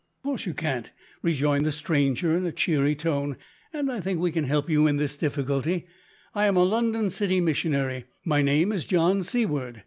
"Of course you can't," rejoined the stranger in a cheery tone, "and I think we can help you in this difficulty. I am a London City Missionary. My name is John Seaward.